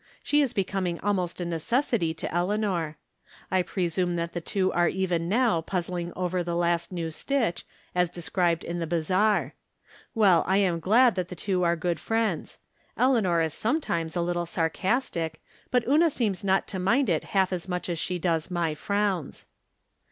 She is becoming almost a necessity to Eleanor. I presume that the two are even now puzzling over the last new stitch, as described in the Ba zar. Well, I am glad that the two ai'e good friends. Eleanor is sometimes a little sarcastic, but Una seems not to mind it haK as much as she does my frowns.